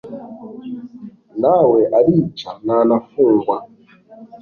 Nawe arica ntanafungwa